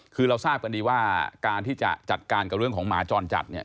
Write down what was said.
คือเราทราบกันดีว่าการที่จะจัดการกับเรื่องของหมาจรจัดเนี่ย